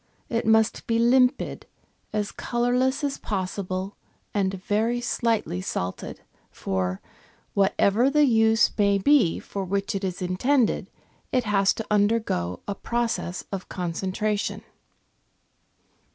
It must be limpid. FONDS DE CUISINE 5 as colourless as possible, and very slightly salted, for, what ever the use may be for which it is intended, it has to undergo a process of concentration.